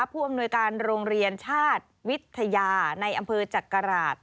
ผู้อำนวยการโรงเรียนชาติวิทยาในอำเภอจักราช